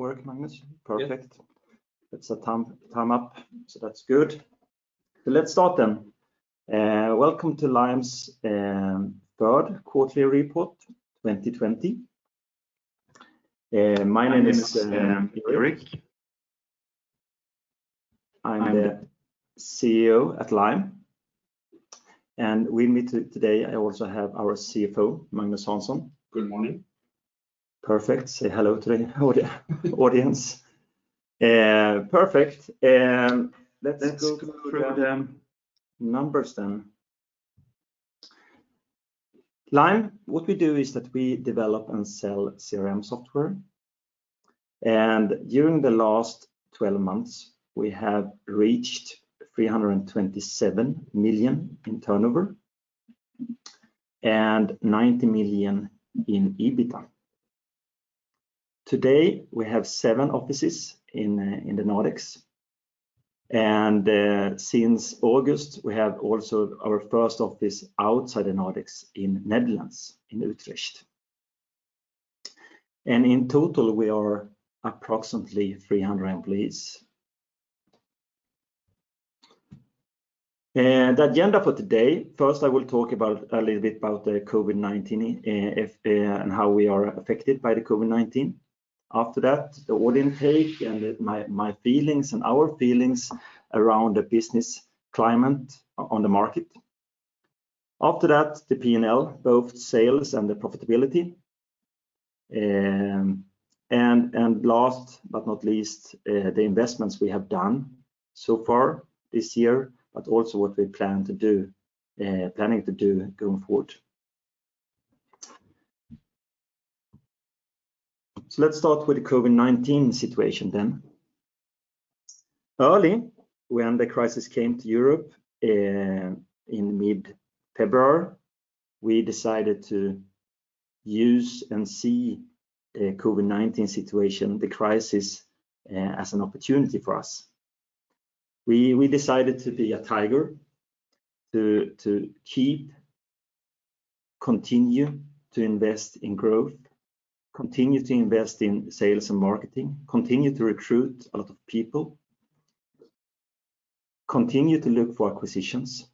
Welcome to Lime's third quarterly report, 2020. My name is Erik. I'm the CEO at Lime. With me today, I also have our CFO, Magnus Hansson. Good morning. Perfect. Say hello to the audience. Perfect. Let's go through the numbers. Lime, what we do is that we develop and sell CRM software. During the last 12 months, we have reached 327 million in turnover and 90 million in EBITDA. Today, we have seven offices in the Nordics. Since August, we have also our first office outside the Nordics in Netherlands, in Utrecht. In total, we are approximately 300 employees. The agenda for today, first, I will talk a little bit about the COVID-19 and how we are affected by the COVID-19. After that, the order intake and my feelings and our feelings around the business climate on the market. After that, the P&L, both sales and the profitability. Last but not least, the investments we have done so far this year, but also what we're planning to do going forward. Let's start with the COVID-19 situation then. Early, when the crisis came to Europe in mid-February, we decided to use and see COVID-19 situation, the crisis, as an opportunity for us. We decided to be a tiger, to keep, continue to invest in growth, continue to invest in sales and marketing, continue to recruit a lot of people, continue to look for acquisitions,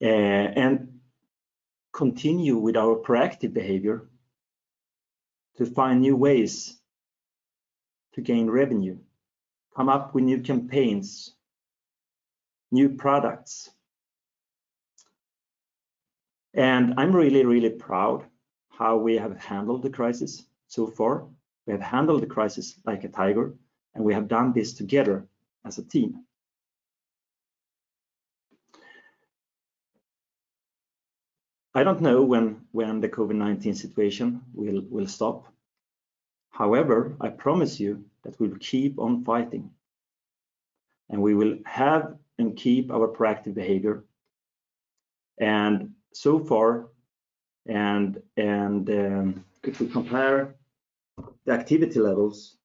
and continue with our proactive behavior to find new ways to gain revenue, come up with new campaigns, new products. I'm really, really proud how we have handled the crisis so far. We have handled the crisis like a tiger, and we have done this together as a team. I don't know when the COVID-19 situation will stop. However, I promise you that we'll keep on fighting, and we will have and keep our proactive behavior. So far, if we compare the activity levels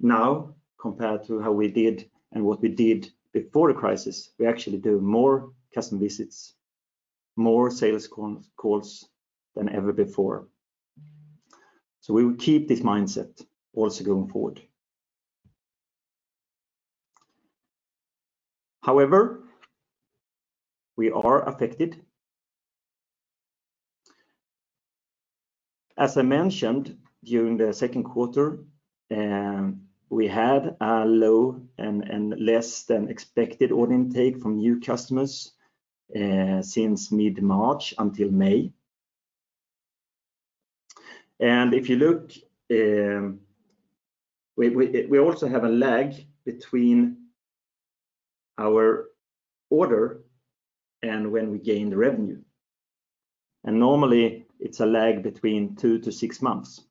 now compared to how we did and what we did before the crisis, we actually do more customer visits, more sales calls than ever before. We will keep this mindset also going forward. However, we are affected. As I mentioned, during the second quarter, we had a low and less than expected order intake from new customers since mid-March until May. If you look, we also have a lag between our order and when we gain the revenue. Normally it's a lag between two to six months.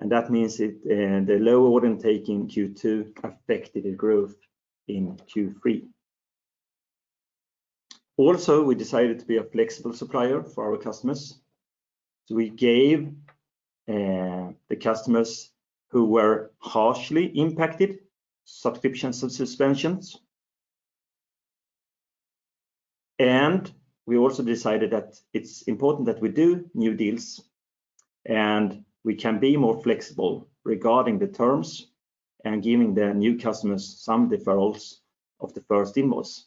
That means the low order intake in Q2 affected the growth in Q3. Also, we decided to be a flexible supplier for our customers. So we gave the customers who were harshly impacted subscriptions and suspensions. We also decided that it's important that we do new deals, and we can be more flexible regarding the terms and giving the new customers some deferrals of the first invoice.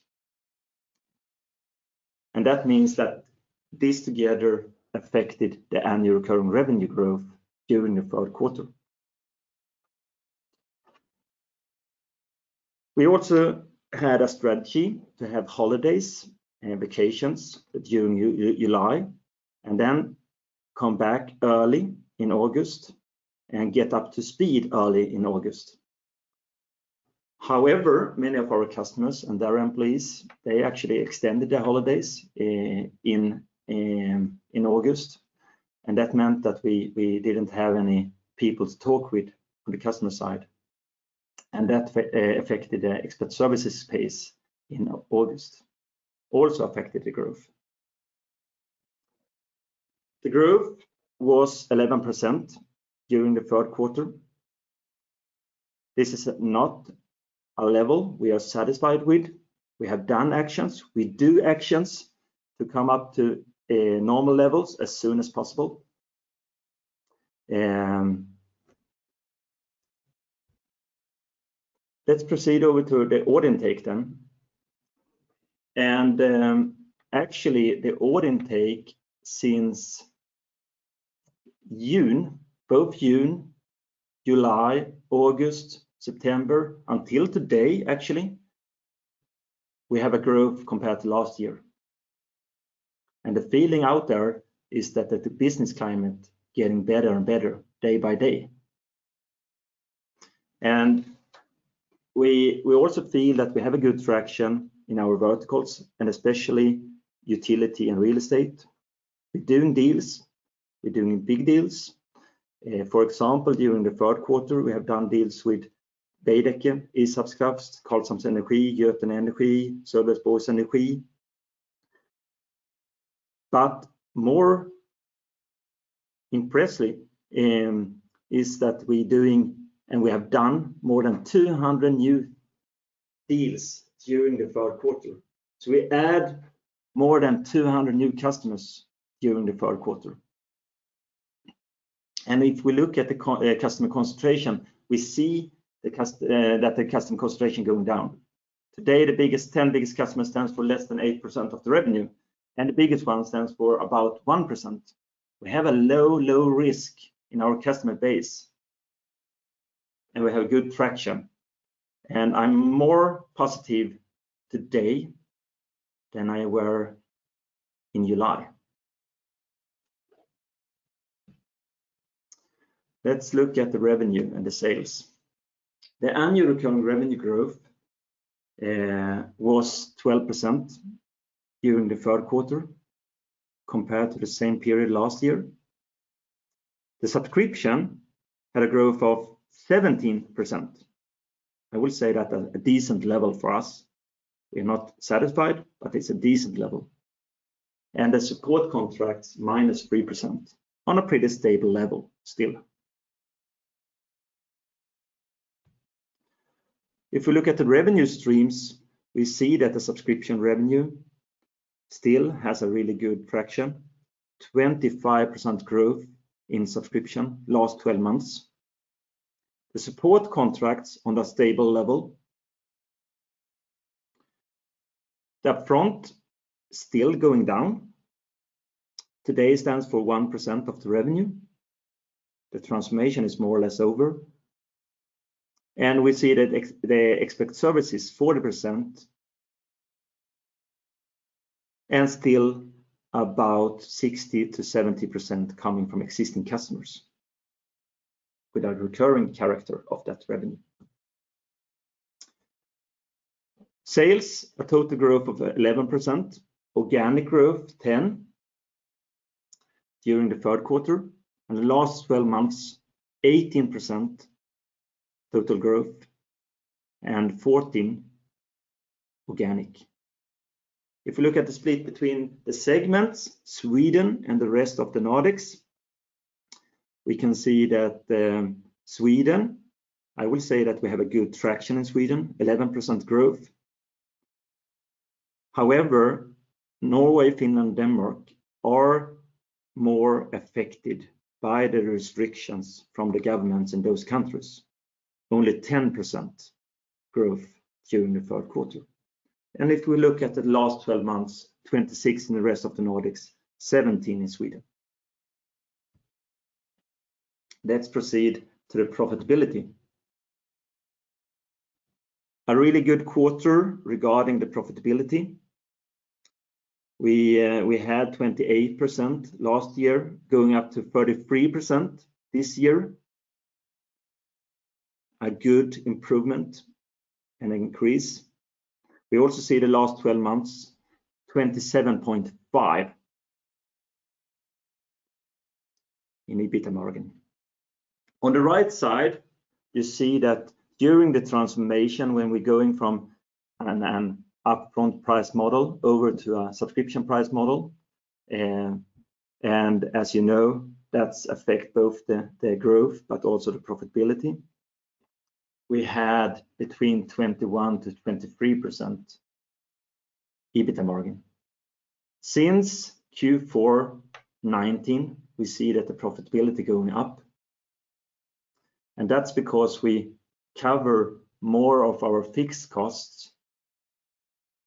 That means that this together affected the annual recurring revenue growth during the third quarter. We also had a strategy to have holidays and vacations during July, and then come back early in August and get up to speed early in August. However, many of our customers and their employees, they actually extended their holidays in August. That meant that we didn't have any people to talk with on the customer side. That affected the expert services pace in August, also affected the growth. The growth was 11% during the third quarter. This is not a level we are satisfied with. We have done actions. We do actions to come up to normal levels as soon as possible. Let's proceed over to the order intake then. Actually, the order intake since June, both June, July, August, September until today, actually, we have a growth compared to last year. The feeling out there is that the business climate getting better and better day-by-day. We also feel that we have a good traction in our verticals and especially utility and real estate. We're doing deals. We're doing big deals. For example, during the third quarter, we have done deals with Veidekke, Ishavskraft, Karlshamn Energi, Götene Energi, Sölvesborgs Energi. More impressively is that we're doing and we have done more than 200 new deals during the third quarter. We add more than 200 new customers during the third quarter. If we look at the customer concentration, we see that the customer concentration going down. Today, the 10 biggest customers stands for less than 8% of the revenue, the biggest one stands for about 1%. We have a low risk in our customer base and we have good traction. I'm more positive today than I were in July. Let's look at the revenue and the sales. The annual recurring revenue growth was 12% during the third quarter compared to the same period last year. The subscription had a growth of 17%. I would say that a decent level for us. We're not satisfied, but it's a decent level. The support contracts, -3%. On a pretty stable level still. If we look at the revenue streams, we see that the subscription revenue still has a really good traction, 25% growth in subscription last 12 months. The support contracts on a stable level. The upfront still going down. Today, it stands for 1% of the revenue. The transformation is more or less over. We see that the Expert Services is 40% and still about 60%-70% coming from existing customers with a recurring character of that revenue. Sales, a total growth of 11%. Organic growth, 10%, during the third quarter. The last 12 months, 18% total growth and 14% organic. If you look at the split between the segments, Sweden and the rest of the Nordics, we can see that Sweden, I would say that we have a good traction in Sweden, 11% growth. However, Norway, Finland, Denmark are more affected by the restrictions from the governments in those countries. Only 10% growth during the third quarter. If we look at the last 12 months, 26% in the rest of the Nordics, 17% in Sweden. Let's proceed to the profitability. A really good quarter regarding the profitability. We had 28% last year, going up to 33% this year. A good improvement and increase. We also see the last 12 months, 27.5% in EBITDA margin. On the right side, you see that during the transformation, when we're going from an upfront price model over to a subscription price model, and as you know, that's affect both the growth but also the profitability. We had between 21%-23% EBITDA margin. Since Q4 2019, we see that the profitability going up, and that's because we cover more of our fixed costs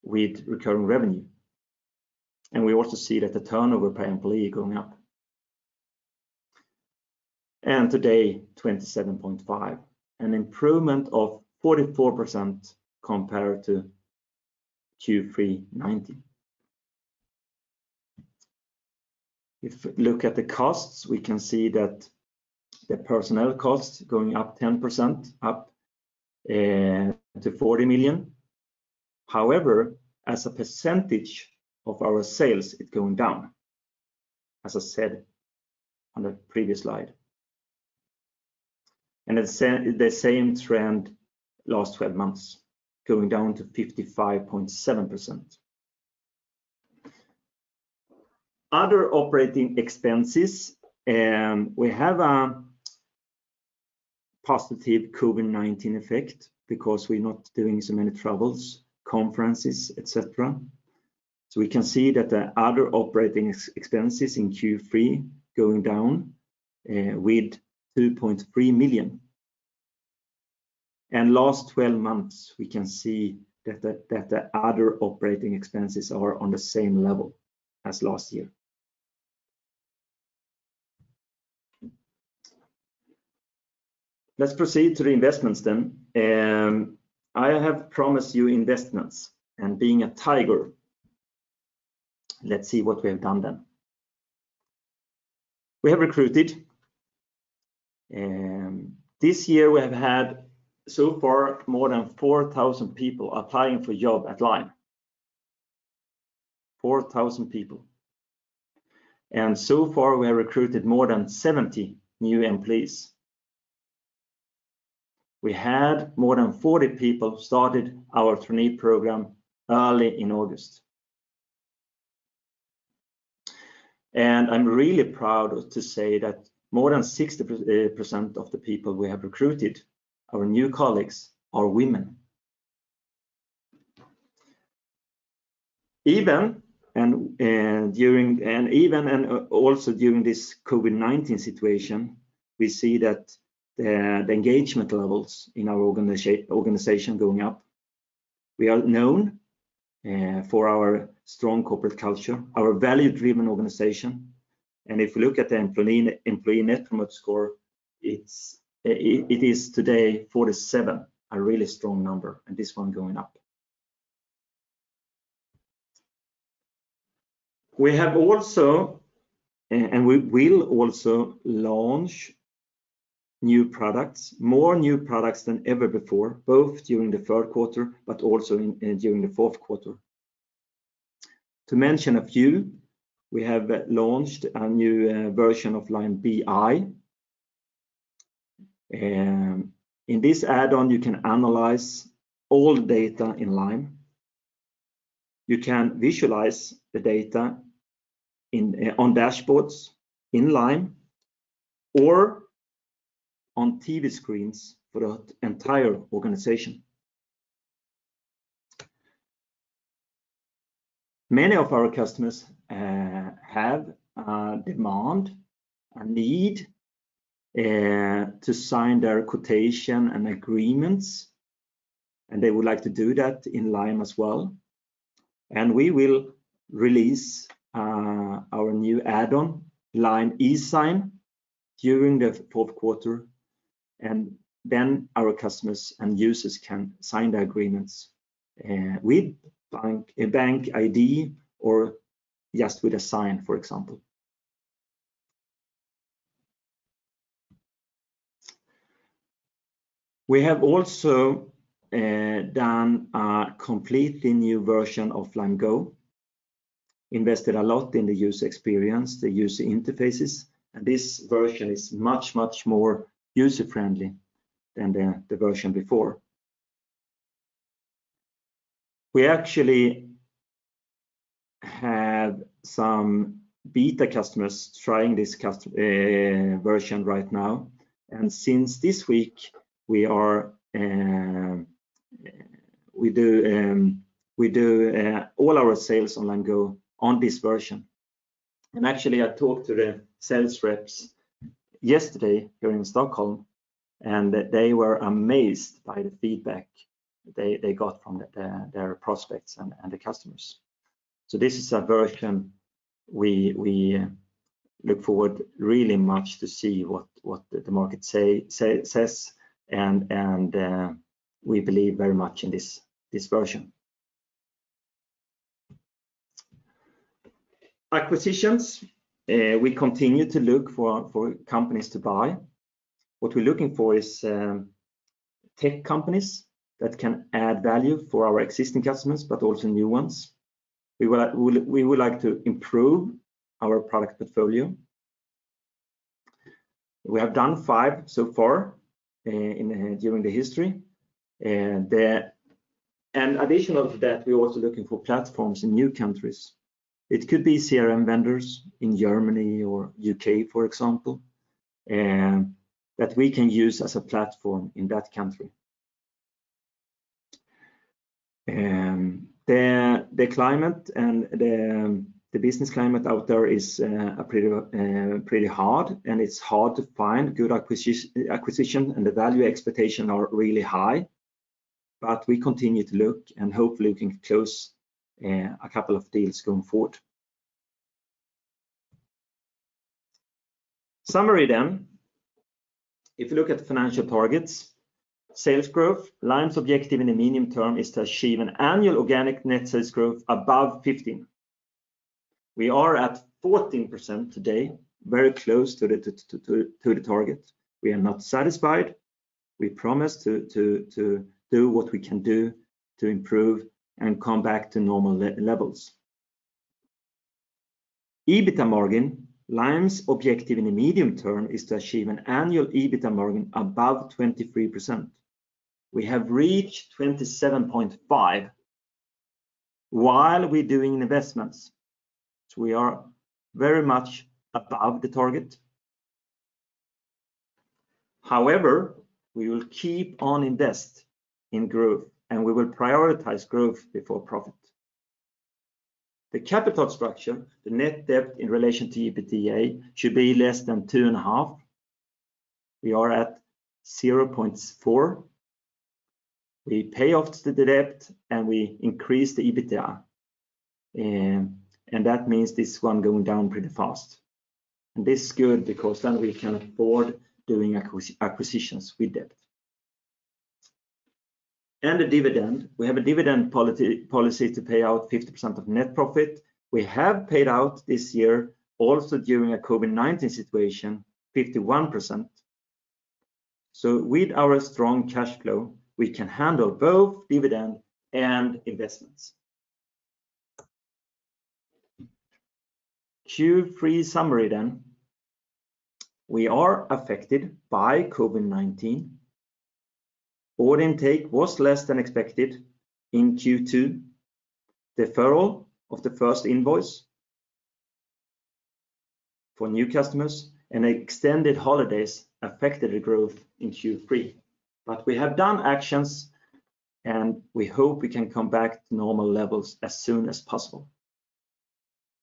with recurring revenue. We also see that the turnover per employee going up. Today, 27.5%, an improvement of 44% compared to Q3 2019. If we look at the costs, we can see that the personnel costs going up 10%, up to 40 million. However, as a percentage of our sales, it's going down, as I said on the previous slide. The same trend last 12 months, going down to 55.7%. Other operating expenses. We have a positive COVID-19 effect because we're not doing so many travels, conferences, et cetera. We can see that the other operating expenses in Q3 going down with 2.3 million. Last 12 months, we can see that the other operating expenses are on the same level as last year. Let's proceed to the investments then. I have promised you investments and being a tiger. Let's see what we have done then. We have recruited. This year we have had so far, more than 4,000 people applying for job at Lime. 4,000 people. So far, we have recruited more than 70 new employees. We had more than 40 people started our trainee program early in August. I'm really proud to say that more than 60% of the people we have recruited, our new colleagues, are women. Also during this COVID-19 situation, we see that the engagement levels in our organization going up. We are known for our strong corporate culture, our value-driven organization. If you look at the employee net promoter score, it is today 47, a really strong number. This one is going up. We have also, and we will also launch new products, more new products than ever before, both during the third quarter but also during the fourth quarter. To mention a few, we have launched a new version of Lime BI. In this add-on, you can analyze all data in Lime. You can visualize the data on dashboards in Lime or on TV screens for the entire organization. Many of our customers have a demand, a need to sign their quotation and agreements, they would like to do that in Lime as well. We will release our new add-on, Lime eSign, during the fourth quarter, then our customers and users can sign the agreements with a BankID or just with a sign, for example. We have also done a completely new version of Lime Go, invested a lot in the user experience, the user interfaces, this version is much, much more user-friendly than the version before. We actually have some beta customers trying this version right now. Since this week, we do all our sales on Lime Go on this version. Actually, I talked to the sales reps yesterday here in Stockholm, and they were amazed by the feedback they got from their prospects and the customers. This is a version we look forward really much to see what the market says and we believe very much in this version. Acquisitions. We continue to look for companies to buy. What we're looking for is tech companies that can add value for our existing customers, but also new ones. We would like to improve our product portfolio. We have done five so far during the history. Additional to that, we're also looking for platforms in new countries. It could be CRM vendors in Germany or U.K., for example, that we can use as a platform in that country. The business climate out there is pretty hard and it's hard to find good acquisition, and the value expectation are really high, but we continue to look and hopefully we can close a couple of deals going forward. Summary. If you look at the financial targets, sales growth. Lime's objective in the medium term is to achieve an annual organic net sales growth above 15%. We are at 14% today, very close to the target. We are not satisfied. We promise to do what we can do to improve and come back to normal levels. EBITDA margin. Lime's objective in the medium term is to achieve an annual EBITDA margin above 23%. We have reached 27.5% while we're doing investments. We are very much above the target. However, we will keep on invest in growth and we will prioritize growth before profit. The capital structure, the net debt in relation to EBITDA should be less than 2.5. We are at 0.4. We pay off the debt and we increase the EBITDA. That means this one going down pretty fast. This is good because then we can afford doing acquisitions with debt. The dividend, we have a dividend policy to pay out 50% of net profit. We have paid out this year, also during a COVID-19 situation, 51%. With our strong cash flow, we can handle both dividend and investments. Q3 summary. We are affected by COVID-19. Order intake was less than expected in Q2. Deferral of the first invoice for new customers and extended holidays affected the growth in Q3. We have done actions and we hope we can come back to normal levels as soon as possible.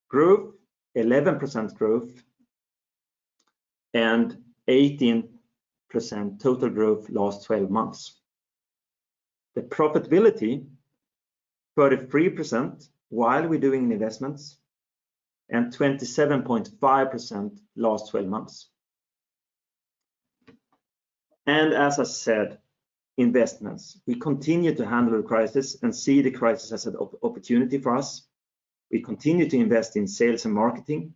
Growth, 11% growth and 18% total growth last 12 months. The profitability 33% while we're doing investments and 27.5% last 12 months. As I said, investments. We continue to handle the crisis and see the crisis as an opportunity for us. We continue to invest in sales and marketing,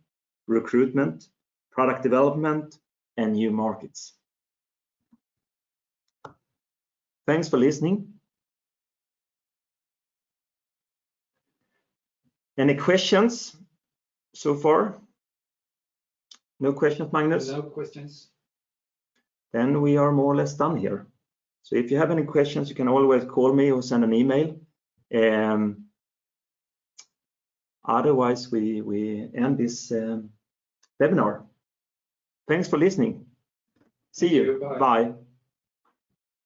recruitment, product development and new markets. Thanks for listening. Any questions so far? No questions, Magnus? No questions. We are more or less done here. If you have any questions, you can always call me or send an email. Otherwise, we end this webinar. Thanks for listening. See you. Bye. See you. Bye.